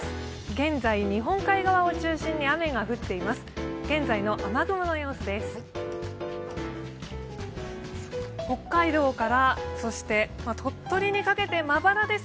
現在日本海側を中心に雨が降っています。